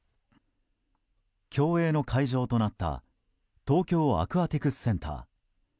競泳の会場となった東京アクアティクスセンター。